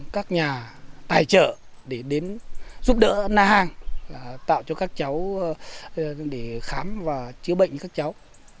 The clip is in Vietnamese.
các nhà tài trợ để đến giúp đỡ na hàng tạo cho các cháu để khám và chữa bệnh cho các cháu